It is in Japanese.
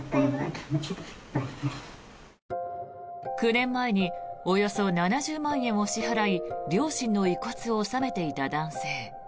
９年前におよそ７０万円を支払い両親の遺骨を納めていた男性。